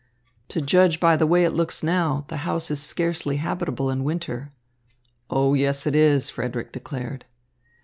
"To judge by the way it looks now, the house is scarcely habitable in winter." "Oh, yes it is," Frederick declared.